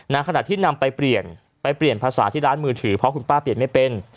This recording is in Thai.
ขณะที่นำไปเปลี่ยนไปเปลี่ยนภาษาที่ร้านมือถือเพราะคุณป้าเปลี่ยนไม่เป็น